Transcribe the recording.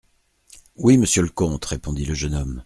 Oui, monsieur le comte, répondit le jeune homme.